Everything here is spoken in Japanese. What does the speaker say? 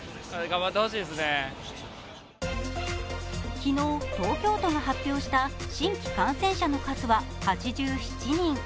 昨日、東京都が発表した新規感染者の数は８７人。